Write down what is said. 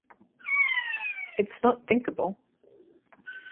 It's not thinkable.